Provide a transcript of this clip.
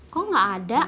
kok gak ada